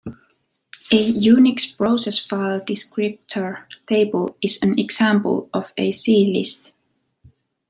A Unix process' file descriptor table is an example of a C-list.